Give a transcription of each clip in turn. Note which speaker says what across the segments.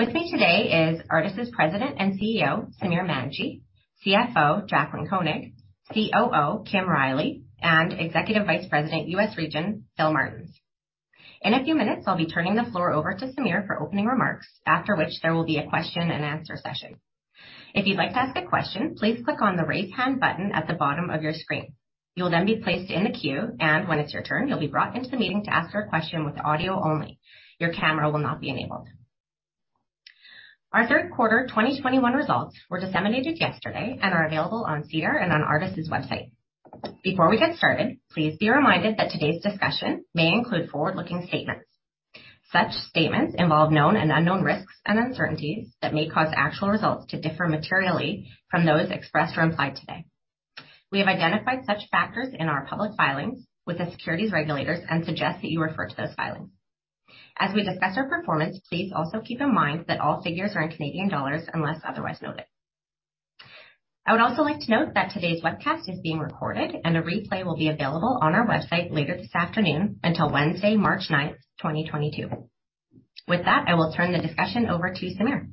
Speaker 1: With me today is Artis' President and CEO, Samir Manji, CFO Jaclyn Koenig, COO Kim Riley, and Executive Vice President U.S. Region, Phil Martens. In a few minutes, I'll be turning the floor over to Samir for opening remarks, after which there will be a question and answer session. If you'd like to ask a question, please click on the Raise Hand button at the bottom of your screen. You'll then be placed in a queue, and when it's your turn, you'll be brought into the meeting to ask your question with audio only. Your camera will not be enabled. Our third quarter 2021 results were disseminated yesterday and are available on SEDAR and on Artis' website. Before we get started, please be reminded that today's discussion may include forward-looking statements. Such statements involve known and unknown risks and uncertainties that may cause actual results to differ materially from those expressed or implied today. We have identified such factors in our public filings with the securities regulators and suggest that you refer to those filings. As we discuss our performance, please also keep in mind that all figures are in Canadian dollars unless otherwise noted. I would also like to note that today's webcast is being recorded, and a replay will be available on our website later this afternoon until Wednesday, March 9, 2022. With that, I will turn the discussion over to Samir.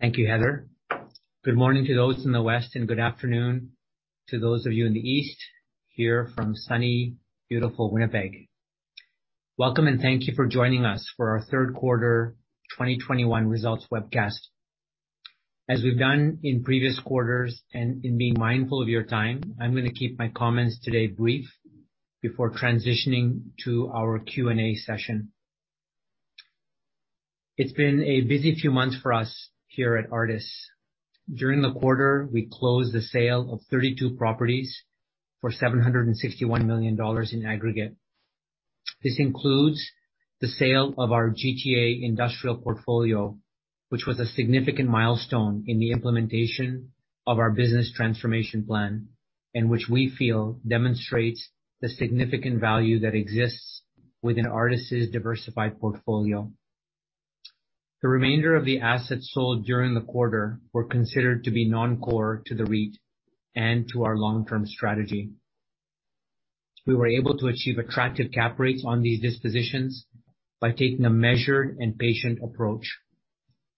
Speaker 2: Thank you, Heather. Good morning to those in the West, and good afternoon to those of you in the East, here from sunny, beautiful Winnipeg. Welcome, and thank you for joining us for our Q3 2021 results webcast. As we've done in previous quarters, and in being mindful of your time, I'm gonna keep my comments today brief before transitioning to our Q&A session. It's been a busy few months for us here at Artis. During the quarter, we closed the sale of 32 properties for 761 million dollars in aggregate. This includes the sale of our GTA industrial portfolio, which was a significant milestone in the implementation of our business transformation plan, and which we feel demonstrates the significant value that exists within Artis' diversified portfolio. The remainder of the assets sold during the quarter were considered to be non-core to the REIT and to our long-term strategy. We were able to achieve attractive cap rates on these dispositions by taking a measured and patient approach,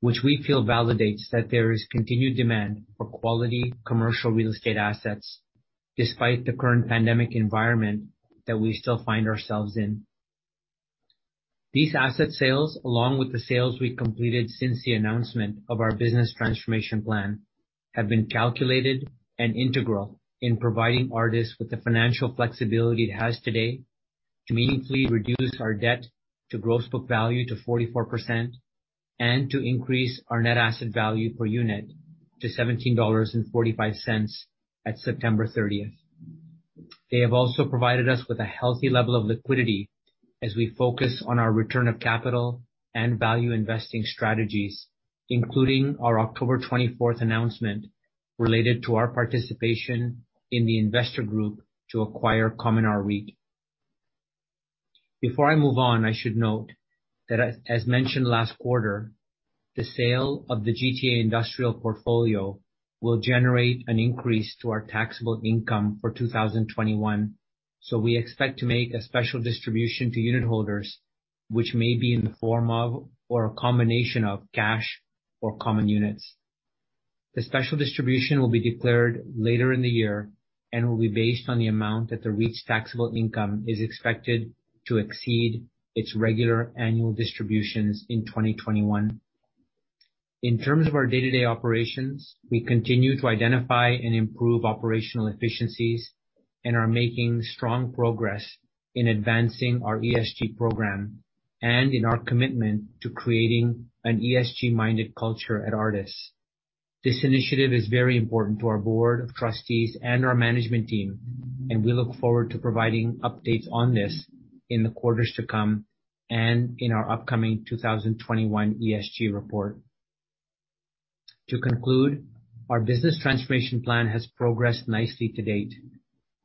Speaker 2: which we feel validates that there is continued demand for quality commercial real estate assets despite the current pandemic environment that we still find ourselves in. These asset sales, along with the sales we completed since the announcement of our business transformation plan, have been calculated and integral in providing Artis with the financial flexibility it has today to meaningfully reduce our debt to gross book value to 44% and to increase our net asset value per unit to 17.45 dollars at September 30th. They have also provided us with a healthy level of liquidity as we focus on our return of capital and value investing strategies, including our October 24 announcement related to our participation in the investor group to acquire Cominar REIT. Before I move on, I should note that as mentioned last quarter, the sale of the GTA industrial portfolio will generate an increase to our taxable income for 2021. We expect to make a special distribution to unitholders, which may be in the form of or a combination of cash or common units. The special distribution will be declared later in the year and will be based on the amount that the REIT's taxable income is expected to exceed its regular annual distributions in 2021. In terms of our day-to-day operations, we continue to identify and improve operational efficiencies and are making strong progress in advancing our ESG program and in our commitment to creating an ESG-minded culture at Artis. This initiative is very important to our board of trustees and our management team, and we look forward to providing updates on this in the quarters to come and in our upcoming 2021 ESG report. To conclude, our business transformation plan has progressed nicely to date.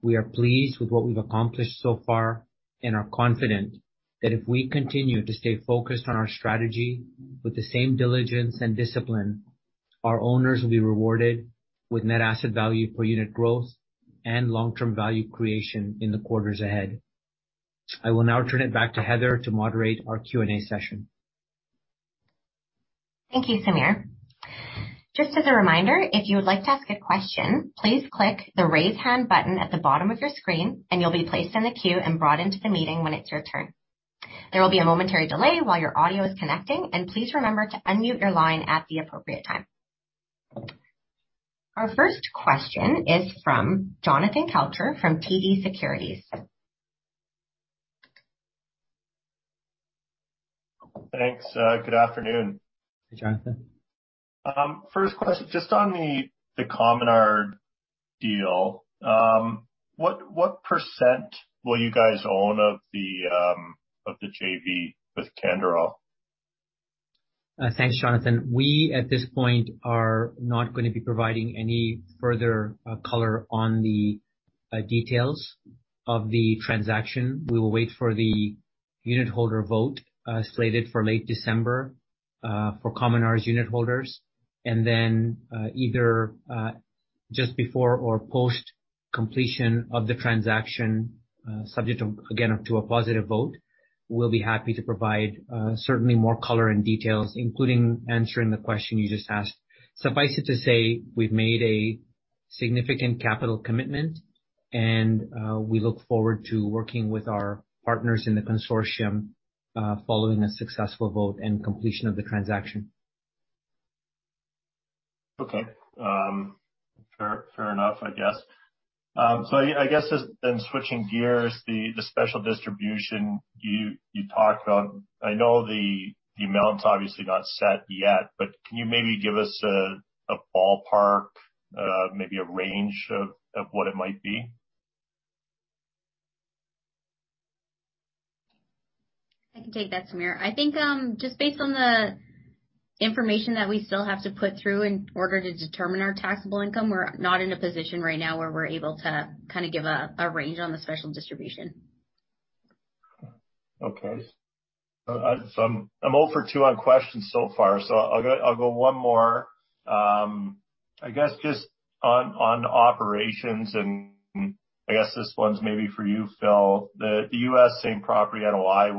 Speaker 2: We are pleased with what we've accomplished so far and are confident that if we continue to stay focused on our strategy with the same diligence and discipline, our owners will be rewarded with net asset value per unit growth and long-term value creation in the quarters ahead. I will now turn it back to Heather to moderate our Q&A session.
Speaker 1: Thank you, Samir. Just as a reminder, if you would like to ask a question, please click the Raise Hand button at the bottom of your screen, and you'll be placed in the queue and brought into the meeting when it's your turn. There will be a momentary delay while your audio is connecting, and please remember to unmute your line at the appropriate time. Our first question is from Jonathan Kelcher from TD Securities.
Speaker 3: Thanks. Good afternoon.
Speaker 2: Hey, Jonathan.
Speaker 3: First question, just on the Cominar deal, what percent will you guys own of the JV with Canderel?
Speaker 2: Thanks, Jonathan. We, at this point, are not gonna be providing any further color on the details of the transaction. We will wait for the unit holder vote slated for late December for Cominar's unitholders, and then either just before or post-completion of the transaction, subject to, again, a positive vote. We'll be happy to provide certainly more color and details, including answering the question you just asked. Suffice it to say we've made a significant capital commitment, and we look forward to working with our partners in the consortium following a successful vote and completion of the transaction.
Speaker 3: Okay. Fair enough, I guess. I guess just then Switching gears, the special distribution you talked about, I know the amount's obviously not set yet, but can you maybe give us a ballpark, maybe a range of what it might be?
Speaker 4: I can take that, Samir. I think, just based on the information that we still have to put through in order to determine our taxable income, we're not in a position right now where we're able to kinda give a range on the special distribution.
Speaker 3: Okay. I'm zero for two on questions so far, I'll go one more. I guess just on operations, and I guess this one's maybe for you, Phil. The U.S. same property NOI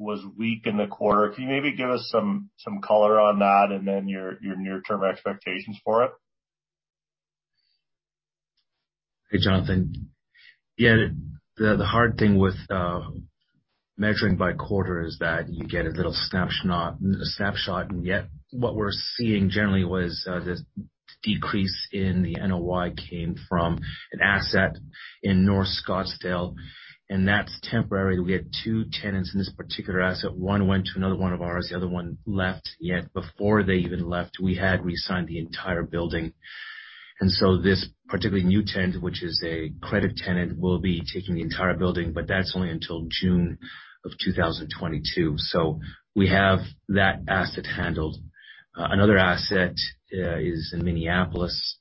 Speaker 3: was weak in the quarter. Can you maybe give us some color on that and then your near-term expectations for it?
Speaker 5: Hey, Jonathan. Yeah. The hard thing with measuring by quarter is that you get a little snapshot, and yet what we're seeing generally was this decrease in the NOI came from an asset in North Scottsdale and that's temporary. We had two tenants in this particular asset. One went to another one of ours, the other one left. Yet before they even left, we had re-signed the entire building. This particular new tenant, which is a credit tenant, will be taking the entire building, but that's only until June of 2022. We have that asset handled. Another asset is in Minneapolis,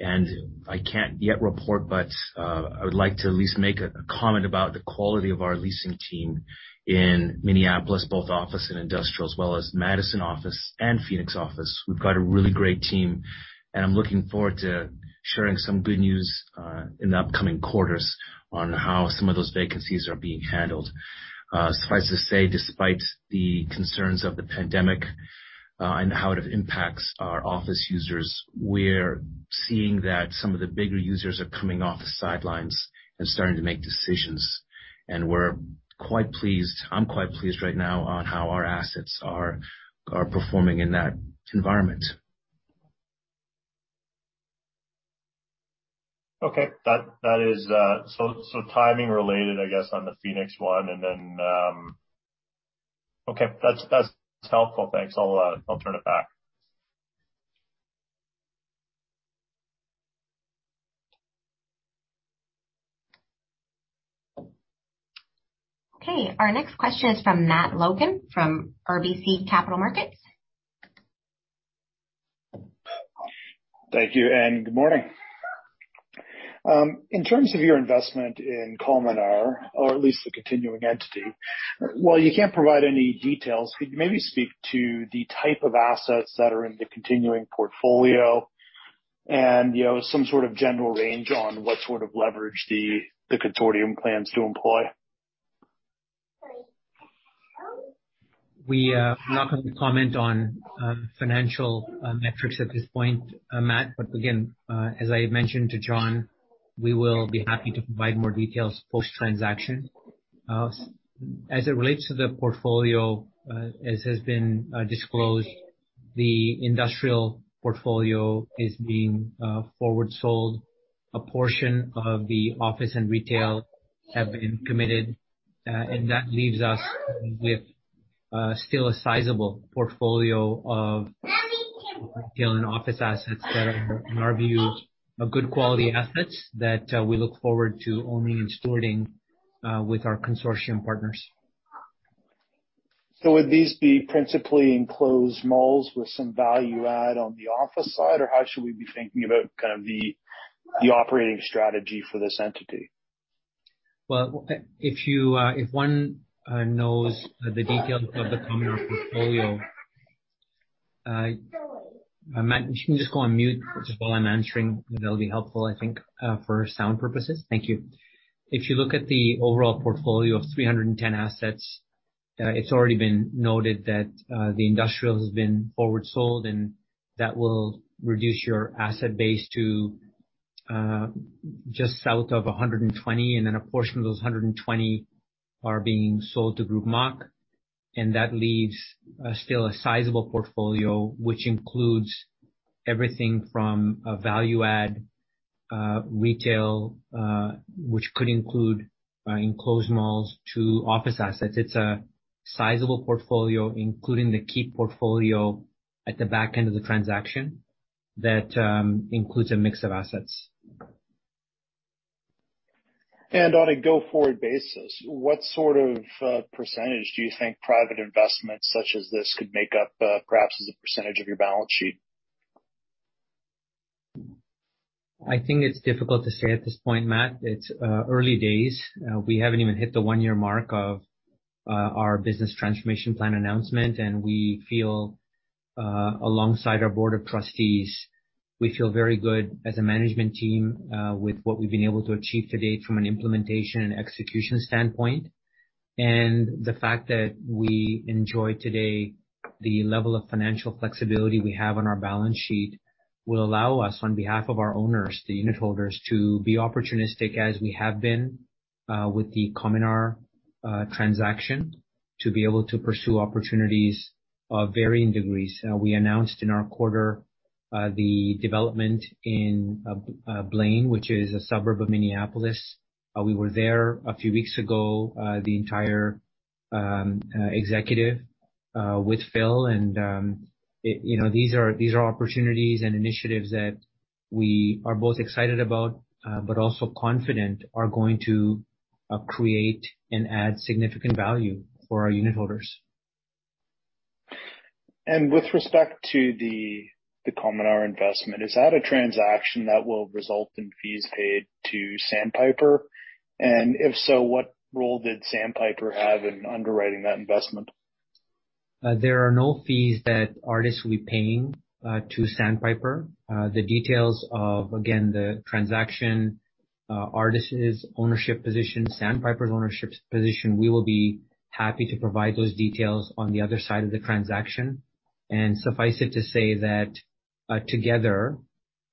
Speaker 5: and I can't yet report, but I would like to at least make a comment about the quality of our leasing team in Minneapolis, both office and industrial, as well as Madison office and Phoenix office. We've got a really great team, and I'm looking forward to sharing some good news in the upcoming quarters on how some of those vacancies are being handled. Suffice to say, despite the concerns of the pandemic and how it impacts our office users, we're seeing that some of the bigger users are coming off the sidelines and starting to make decisions. We're quite pleased, I'm quite pleased right now on how our assets are performing in that environment.
Speaker 3: Okay. That is timing related, I guess, on the Phoenix one and then. Okay. That's helpful. Thanks. I'll turn it back.
Speaker 1: Okay. Our next question is from Matt Logan from RBC Capital Markets.
Speaker 6: Thank you, and good morning. In terms of your investment in Cominar, or at least the continuing entity, while you can't provide any details, could you maybe speak to the type of assets that are in the continuing portfolio and, you know, some sort of general range on what sort of leverage the consortium plans to employ?
Speaker 2: We are not going to comment on financial metrics at this point, Matt. Again, as I mentioned to John, we will be happy to provide more details post-transaction. As it relates to the portfolio, as has been disclosed, the industrial portfolio is being forward sold. A portion of the office and retail have been committed, and that leaves us with still a sizable portfolio of retail and office assets that are, in our view, good quality assets that we look forward to owning and stewarding with our consortium partners.
Speaker 6: Would these be principally enclosed malls with some value add on the office side? Or how should we be thinking about kind of the operating strategy for this entity?
Speaker 2: Well, if one knows the details of the Cominar portfolio. Matt, can you just go on mute just while I'm answering? That'll be helpful, I think, for sound purposes. Thank you. If you look at the overall portfolio of 310 assets, it's already been noted that the industrial has been forward sold, and that will reduce your asset base to just south of 120, and then a portion of those 120 are being sold to Groupe MACH. That leaves still a sizable portfolio, which includes everything from a value-add retail, which could include enclosed malls to office assets. It's a sizable portfolio, including the key portfolio at the back end of the transaction that includes a mix of assets.
Speaker 6: On a go-forward basis, what sort of percentage do you think private investments such as this could make up, perhaps as a percentage of your balance sheet?
Speaker 2: I think it's difficult to say at this point, Matt. It's early days. We haven't even hit the one-year mark of our business transformation plan announcement, and we feel, alongside our board of trustees, we feel very good as a management team, with what we've been able to achieve to date from an implementation and execution standpoint. The fact that we enjoy today the level of financial flexibility we have on our balance sheet will allow us on behalf of our owners, the unitholders, to be opportunistic as we have been, with the Cominar transaction, to be able to pursue opportunities of varying degrees. We announced in our quarter, the development in Blaine, which is a suburb of Minneapolis. We were there a few weeks ago, the entire executive with Phil. It. You know, these are opportunities and initiatives that we are both excited about, but also confident are going to create and add significant value for our unitholders.
Speaker 6: With respect to the Cominar investment, is that a transaction that will result in fees paid to Sandpiper? If so, what role did Sandpiper have in underwriting that investment?
Speaker 2: There are no fees that Artis will be paying to Sandpiper. The details of, again, the transaction, Artis' ownership position, Sandpiper's ownership position, we will be happy to provide those details on the other side of the transaction. Suffice it to say that, together,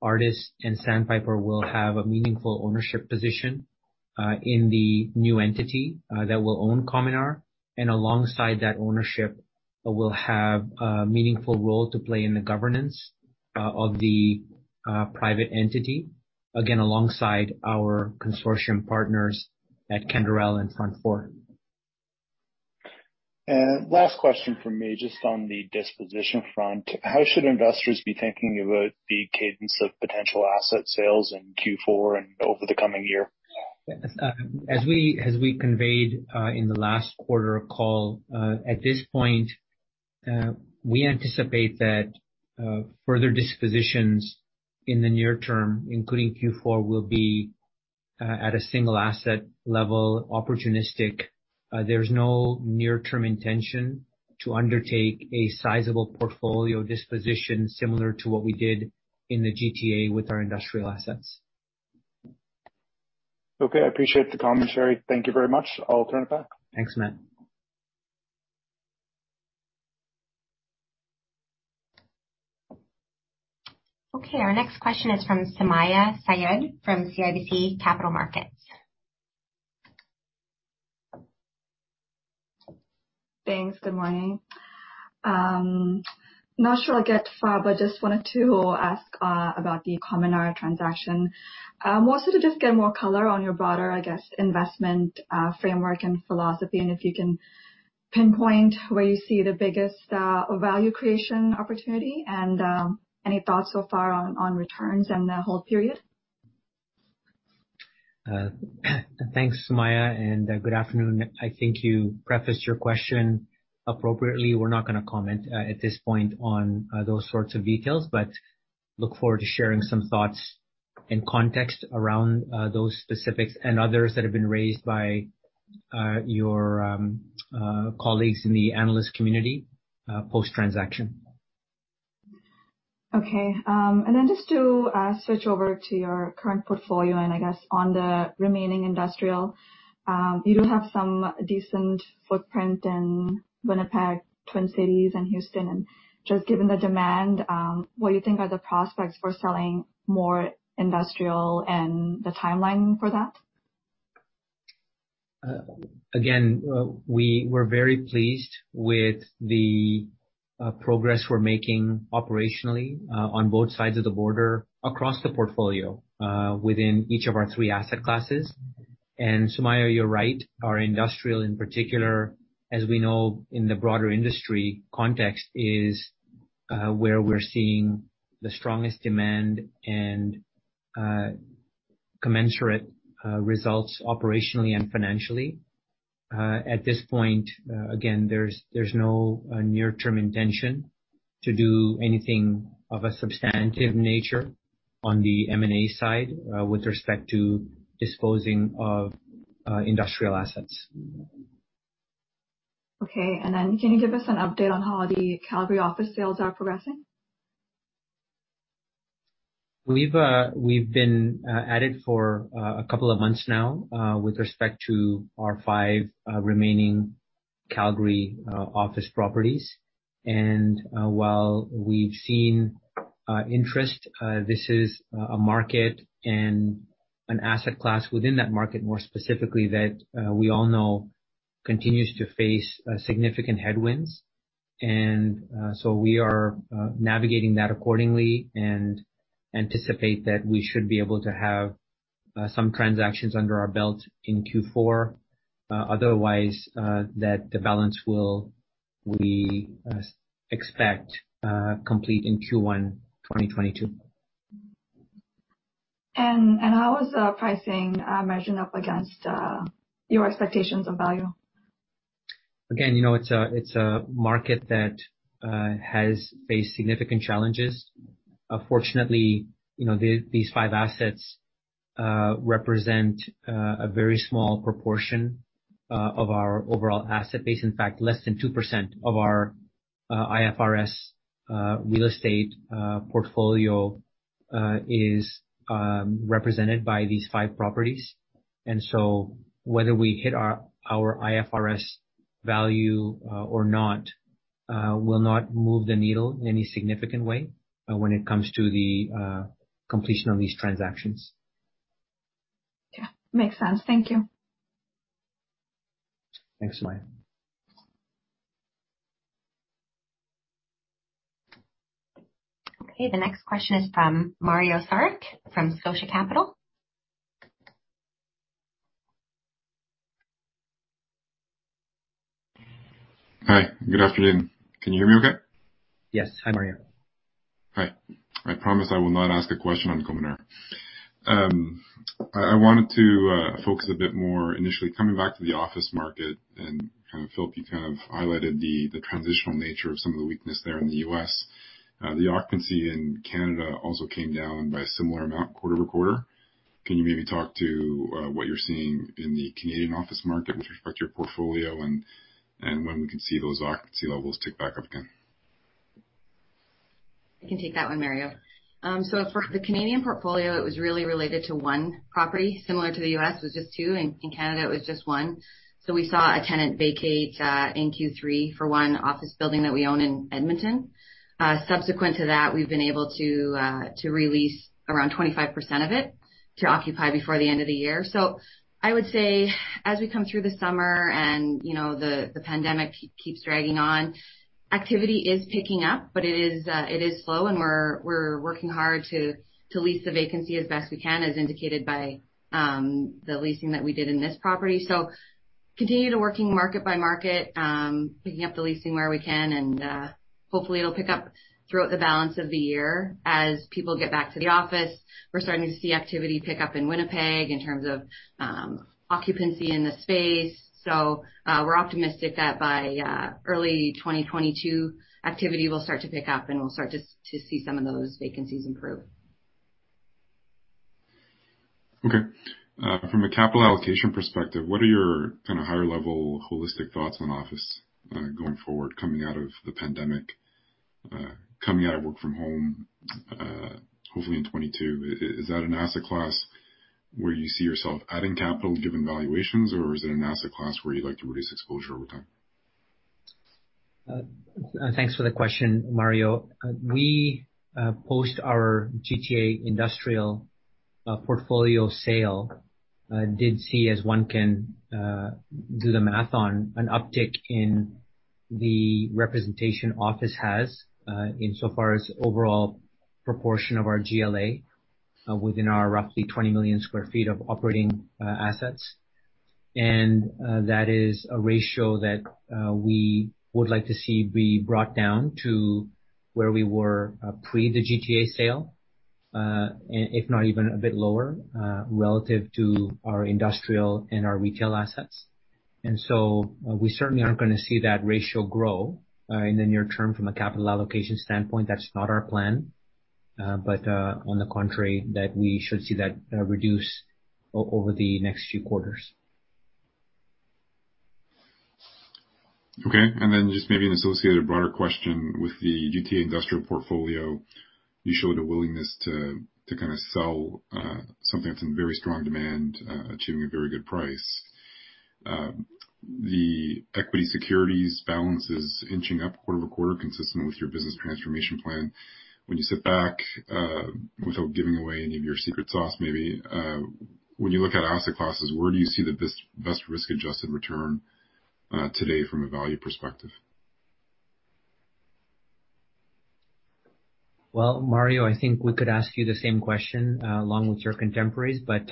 Speaker 2: Artis and Sandpiper will have a meaningful ownership position in the new entity that will own Cominar, and alongside that ownership will have a meaningful role to play in the governance of the private entity. Again, alongside our consortium partners at Canderel and FrontFour.
Speaker 6: Last question from me, just on the disposition front, how should investors be thinking about the cadence of potential asset sales in Q4 and over the coming year?
Speaker 2: As we conveyed in the last quarter call, at this point, we anticipate that further dispositions in the near term, including Q4, will be at a single asset level, opportunistic. There's no near-term intention to undertake a sizable portfolio disposition similar to what we did in the GTA with our industrial assets.
Speaker 6: Okay. I appreciate the commentary. Thank you very much. I'll turn it back.
Speaker 2: Thanks, Matt.
Speaker 1: Okay. Our next question is from Sumayya Syed from CIBC Capital Markets.
Speaker 7: Thanks. Good morning. Not sure I'll get far, but just wanted to ask about the Cominar transaction. Mostly to just get more color on your broader, I guess, investment framework and philosophy, and if you can pinpoint where you see the biggest value creation opportunity, and any thoughts so far on returns and the hold period.
Speaker 2: Thanks, Sumayya, and good afternoon. I think you prefaced your question appropriately. We're not gonna comment at this point on those sorts of details, but look forward to sharing some thoughts and context around those specifics and others that have been raised by your colleagues in the analyst community post-transaction.
Speaker 7: Okay. Just to switch over to your current portfolio and I guess on the remaining industrial, you do have some decent footprint in Winnipeg, Twin Cities and Houston. Just given the demand, what you think are the prospects for selling more industrial and the timeline for that.
Speaker 2: Again, we were very pleased with the progress we're making operationally on both sides of the border across the portfolio within each of our three asset classes. Sumayya, you're right. Our industrial in particular, as we know in the broader industry context, is where we're seeing the strongest demand and commensurate results operationally and financially. At this point, again, there's no near-term intention to do anything of a substantive nature on the M&A side with respect to disposing of industrial assets.
Speaker 7: Okay. Can you give us an update on how the Calgary office sales are progressing?
Speaker 2: We've been at it for a couple of months now with respect to our five remaining Calgary office properties. While we've seen interest, this is a market and an asset class within that market, more specifically, that we all know continues to face significant headwinds. We are navigating that accordingly and anticipate that we should be able to have some transactions under our belt in Q4. Otherwise, the balance will, we expect, complete in Q1, 2022.
Speaker 7: How is the pricing measuring up against your expectations of value?
Speaker 2: Again, you know, it's a market that has faced significant challenges. Fortunately, you know, these five assets represent a very small proportion of our overall asset base. In fact, less than 2% of our IFRS real estate portfolio is represented by these five properties. Whether we hit our IFRS value or not will not move the needle in any significant way when it comes to the completion of these transactions.
Speaker 7: Yeah, makes sense. Thank you.
Speaker 2: Thanks, Maya.
Speaker 1: Okay. The next question is from Mario Saric from Scotia Capital.
Speaker 8: Hi. Good afternoon. Can you hear me okay?
Speaker 2: Yes. Hi, Mario.
Speaker 8: Hi. I promise I will not ask a question on Cominar. I wanted to focus a bit more initially coming back to the office market, and kind of, Phil, you kind of highlighted the transitional nature of some of the weakness there in the U.S. The occupancy in Canada also came down by a similar amount quarter-over-quarter. Can you maybe talk to what you're seeing in the Canadian office market with respect to your portfolio and when we can see those occupancy levels tick back up again?
Speaker 9: I can take that one, Mario. For the Canadian portfolio, it was really related to one property. Similar to the U.S., it was just two. In Canada it was just one. We saw a tenant vacate in Q3 for one office building that we own in Edmonton. Subsequent to that, we've been able to re-lease around 25% of it to occupy before the end of the year. I would say as we come through the summer and you know the pandemic keeps dragging on, activity is picking up, but it is slow, and we're working hard to lease the vacancy as best we can, as indicated by the leasing that we did in this property. Continue to work market by market, picking up the leasing where we can, and hopefully it'll pick up throughout the balance of the year as people get back to the office. We're starting to see activity pick up in Winnipeg in terms of occupancy in the space. We're optimistic that by early 2022 activity will start to pick up and we'll start to see some of those vacancies improve.
Speaker 8: Okay. From a capital allocation perspective, what are your kind of higher level holistic thoughts on office, going forward coming out of the pandemic, coming out of work from home, hopefully in 2022? Is that an asset class where you see yourself adding capital given valuations, or is it an asset class where you'd like to reduce exposure over time?
Speaker 2: Thanks for the question, Mario. We, post our GTA industrial portfolio sale, did see as one can do the math on an uptick in the office representation as insofar as overall proportion of our GLA within our roughly 20 million sq ft of operating assets. That is a ratio that we would like to see be brought down to where we were pre the GTA sale, if not even a bit lower, relative to our industrial and our retail assets. We certainly aren't gonna see that ratio grow in the near term from a capital allocation standpoint. That's not our plan. On the contrary that we should see that reduce over the next few quarters.
Speaker 8: Okay. Just maybe an associated broader question with the GTA industrial portfolio, you showed a willingness to kinda sell something that's in very strong demand, achieving a very good price. The equity securities balance is inching up quarter-over-quarter consistent with your business transformation plan. When you sit back, without giving away any of your secret sauce, maybe, when you look at asset classes, where do you see the best risk-adjusted return today from a value perspective?
Speaker 2: Well, Mario, I think we could ask you the same question, along with your contemporaries, but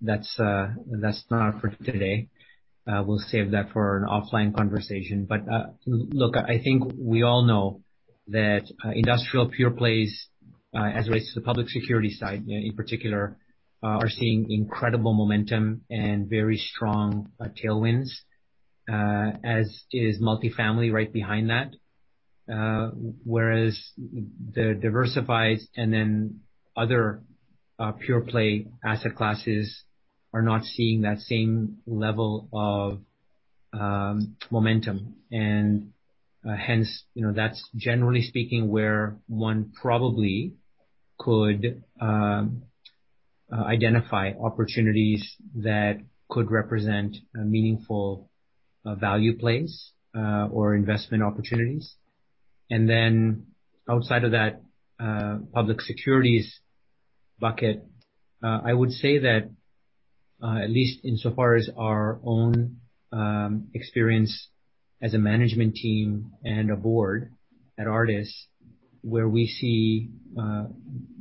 Speaker 2: that's not for today. We'll save that for an offline conversation. Look, I think we all know that industrial pure-plays, as it relates to the public equity side in particular, are seeing incredible momentum and very strong tailwinds, as is multifamily right behind that. Whereas the diversified and then other pure-play asset classes are not seeing that same level of momentum and hence, you know, that's generally speaking where one probably could identify opportunities that could represent a meaningful value play or investment opportunities. Outside of that, public securities bucket, I would say that at least insofar as our own experience as a management team and a board at Artis, where we see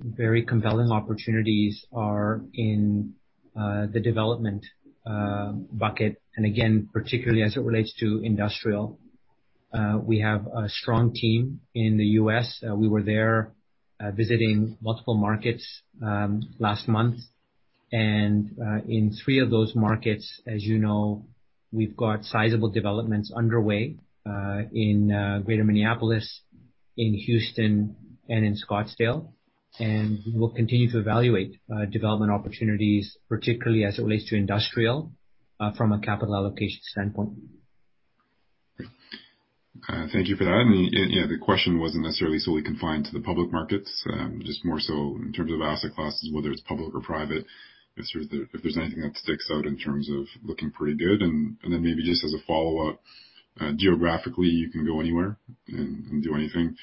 Speaker 2: very compelling opportunities are in the development bucket, and again, particularly as it relates to industrial. We have a strong team in the U.S. We were there visiting multiple markets last month. In three of those markets, as you know, we've got sizable developments underway in Greater Minneapolis, in Houston and in Scottsdale. We'll continue to evaluate development opportunities, particularly as it relates to industrial, from a capital allocation standpoint.
Speaker 8: Thank you for that. I mean, yeah, the question wasn't necessarily solely confined to the public markets, just more so in terms of asset classes, whether it's public or private. If there's anything that sticks out in terms of looking pretty good. Then maybe just as a follow-up, geographically, you can go anywhere and do anything.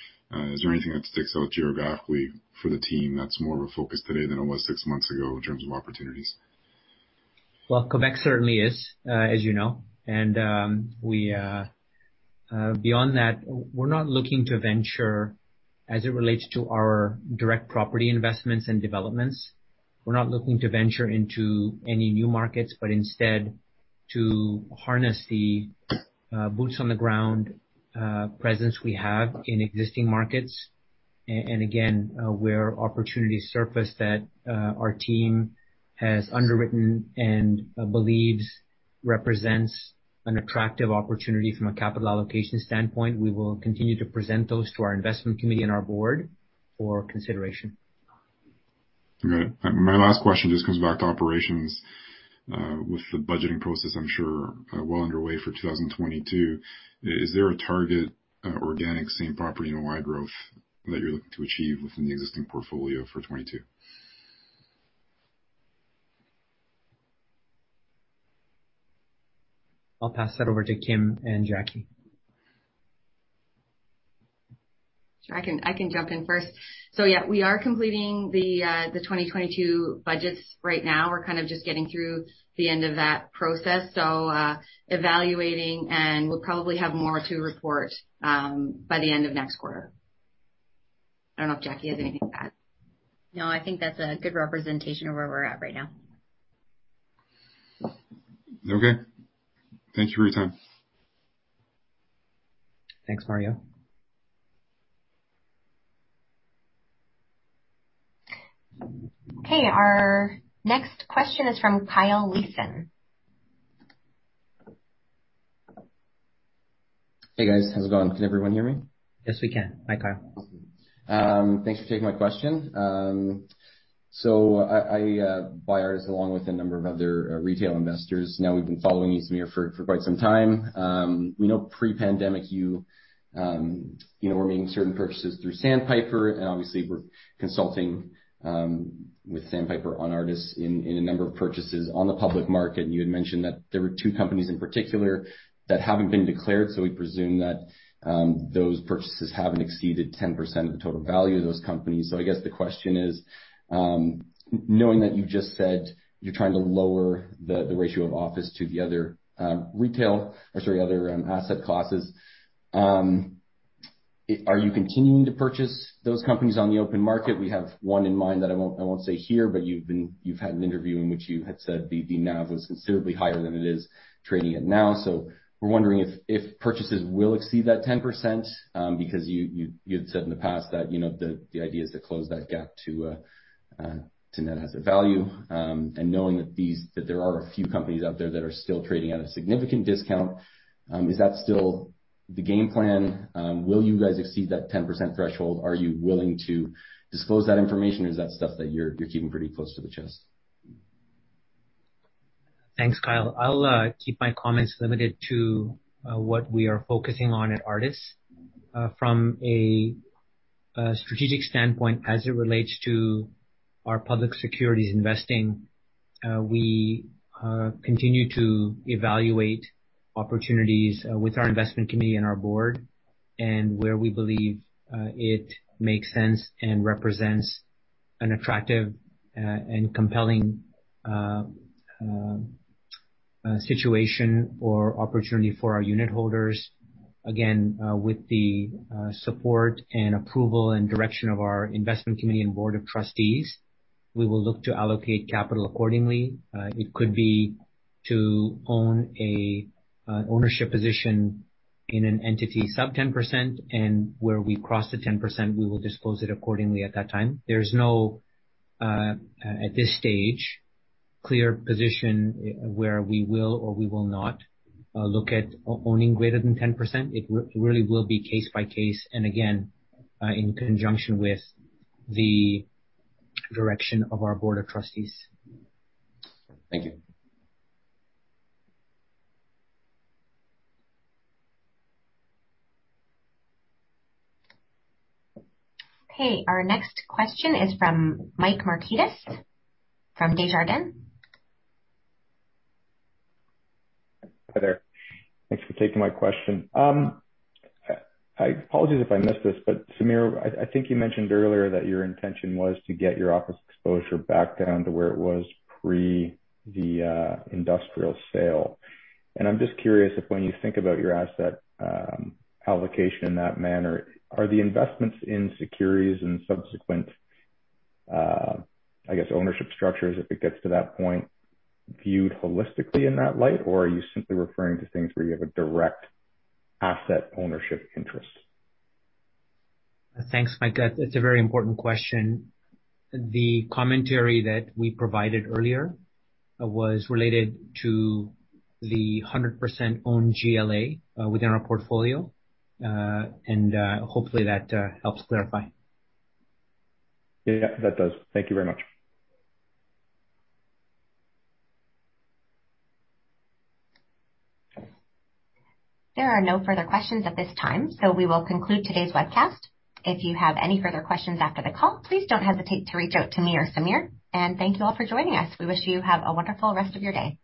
Speaker 8: Is there anything that sticks out geographically for the team that's more of a focus today than it was six months ago in terms of opportunities?
Speaker 2: Well, Quebec certainly is, as you know. We, beyond that, we're not looking to venture as it relates to our direct property investments and developments. We're not looking to venture into any new markets, but instead to harness the boots on the ground presence we have in existing markets. Again, where opportunities surface that our team has underwritten and believes represents an attractive opportunity from a capital allocation standpoint, we will continue to present those to our investment committee and our board for consideration.
Speaker 8: Okay. My last question just comes back to operations, with the budgeting process, I'm sure, well underway for 2022. Is there a target, organic same property and wide growth that you're looking to achieve within the existing portfolio for 2022?
Speaker 2: I'll pass that over to Kim and Jackie.
Speaker 9: Sure. I can jump in first. Yeah, we are completing the 2022 budgets right now. We're kind of just getting through the end of that process. Evaluating, and we'll probably have more to report by the end of next quarter. I don't know if Jackie has anything to add.
Speaker 4: No, I think that's a good representation of where we're at right now.
Speaker 8: Okay. Thank you for your time.
Speaker 2: Thanks, Mario.
Speaker 1: Okay, our next question is from Kyle Leeson.
Speaker 10: Hey, guys. How's it going? Can everyone hear me?
Speaker 2: Yes, we can. Hi, Kyle.
Speaker 10: Awesome. Thanks for taking my question. I buy Artis along with a number of other retail investors. Now, we've been following you, Samir, for quite some time. We know pre-pandemic you know, were making certain purchases through Sandpiper, and obviously we're consulting with Sandpiper on Artis in a number of purchases on the public market. You had mentioned that there were two companies in particular that haven't been declared, so we presume that those purchases haven't exceeded 10% of the total value of those companies. I guess the question is, knowing that you just said you're trying to lower the ratio of office to the other, sorry, other asset classes, are you continuing to purchase those companies on the open market? We have one in mind that I won't say here, but you've had an interview in which you had said the NAV was considerably higher than it is trading at now. We're wondering if purchases will exceed that 10%, because you had said in the past that, you know, the idea is to close that gap to net asset value. Knowing that there are a few companies out there that are still trading at a significant discount, is that still the game plan? Will you guys exceed that 10% threshold? Are you willing to disclose that information, or is that stuff that you're keeping pretty close to the chest?
Speaker 2: Thanks, Kyle. I'll keep my comments limited to what we are focusing on at Artis. From a strategic standpoint, as it relates to our public securities investing, we continue to evaluate opportunities with our investment committee and our board. Where we believe it makes sense and represents an attractive and compelling situation or opportunity for our unitholders, again, with the support and approval and direction of our investment committee and board of trustees, we will look to allocate capital accordingly. It could be to own a ownership position in an entity sub 10%, and where we cross the 10%, we will disclose it accordingly at that time. There's no, at this stage, clear position where we will or will not look at owning greater than 10%. It really will be case by case, and again, in conjunction with the direction of our board of trustees.
Speaker 10: Thank you.
Speaker 1: Okay, our next question is from Michael Markidis from Desjardins.
Speaker 11: Hi there. Thanks for taking my question. Apologies if I missed this, but Samir, I think you mentioned earlier that your intention was to get your office exposure back down to where it was pre the industrial sale. I'm just curious if when you think about your asset allocation in that manner, are the investments in securities and subsequent, I guess, ownership structures, if it gets to that point, viewed holistically in that light, or are you simply referring to things where you have a direct asset ownership interest?
Speaker 2: Thanks, Mike. That's a very important question. The commentary that we provided earlier was related to the 100% owned GLA within our portfolio. Hopefully that helps clarify.
Speaker 11: Yeah, that does. Thank you very much.
Speaker 1: There are no further questions at this time, so we will conclude today's webcast. If you have any further questions after the call, please don't hesitate to reach out to me or Samir. Thank you all for joining us. We wish you a wonderful rest of your day.